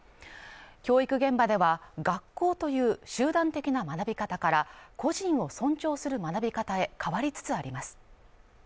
教育現場では、学校という集団的な学び方から個人を尊重する学び方へ変わりつつあります。